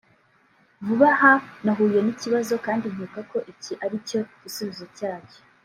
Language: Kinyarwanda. vuba aha nahuye n’ikibazo kandi nkeka ko iki aricyo gisubizo cyacyo